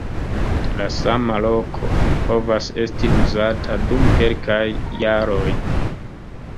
La sama loko povas esti uzata dum kelkaj jaroj.